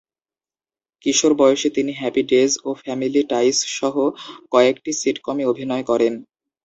কিশোর বয়সে তিনি "happy days" ও "ফ্যামিলি টাইস" সহ কয়েকটি সিটকমে অভিনয় করেন।